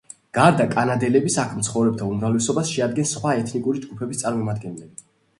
გარდა კანადელების აქ მცხოვრებთა უმრავლესობას შეადგენს სხვა ეთნიკური ჯგუფების წარმომადგენლები.